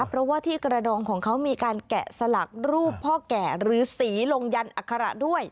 เพราะว่าที่กระดองของเขามีการแกะสลักรูปพ่อแก่หรือสีลงยันอัคระด้วย